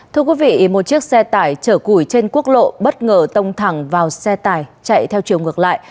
thưa quý vị một chiếc xe tải chở củi trên quốc lộ bất ngờ tông thẳng vào xe tải chạy theo chiều ngược lại